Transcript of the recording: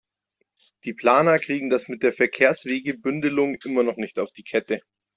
Die Planer kriegen das mit der Verkehrswegebündelung immer noch nicht auf die Kette.